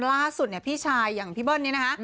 ล่าสุดเนี่ยพี่ชายอย่างพี่เบิ้ลนี้นะคะ